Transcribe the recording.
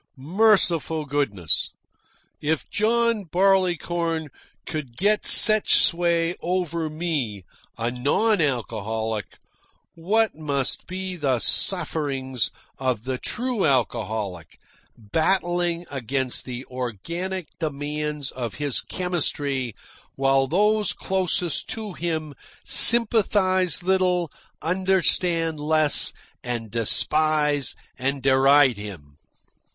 Merciful goodness! if John Barleycorn could get such sway over me, a non alcoholic, what must be the sufferings of the true alcoholic, battling against the organic demands of his chemistry while those closest to him sympathise little, understand less, and despise and deride him!